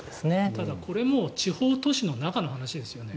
ただ、これはもう地方都市の中の話ですよね。